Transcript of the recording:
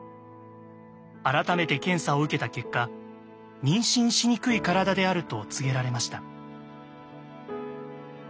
改めて検査を受けた結果妊娠しにくい体であると告げられました。